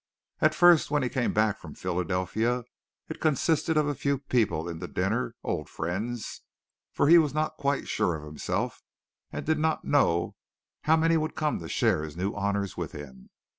At first when he came back from Philadelphia it consisted of a few people in to dinner, old friends, for he was not quite sure of himself and did not know how many would come to share his new honors with him.